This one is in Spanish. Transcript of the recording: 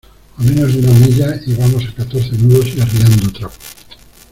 a menos de una milla. y vamos a catorce nudos y arriando trapo .